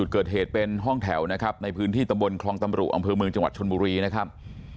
เกิดเหตุเป็นห้องแถวนะครับในพื้นที่ตำบลคลองตำรุอำเภอเมืองจังหวัดชนบุรีนะครับ